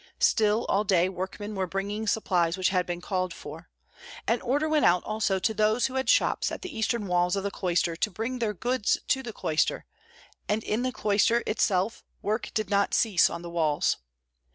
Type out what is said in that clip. Still, all day workmen were bringing supplies which had been called for. An order went out also to those who had shops at the eastern walls of the cloister to bring their goods to the cloister; and in the cloister itself work did not cease on the walls.